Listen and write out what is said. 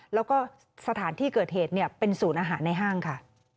แล้วก็สถานที่เกิดเหตุเป็นศูนย์อาหารในห้างค่ะ